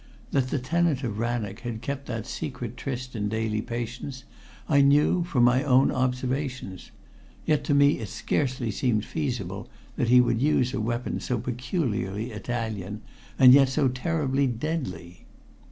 That the tenant of Rannoch had kept that secret tryst in daily patience I knew from my own observations, yet to me it scarcely seemed feasible that he would use a weapon so peculiarly Italian and yet so terribly deadly.